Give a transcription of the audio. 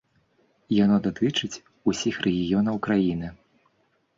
Яно датычыць усіх рэгіёнаў краіны.